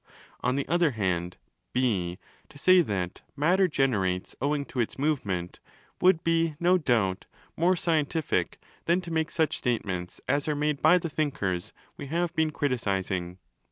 On the other hand (4).to say that 'matter generates owing to its movement' 25 would be, no doubt, more scientific than to make such statements as are made by the thinkers we have been criticizing.